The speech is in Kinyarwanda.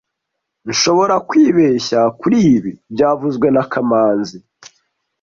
Nshobora kwibeshya kuri ibi byavuzwe na kamanzi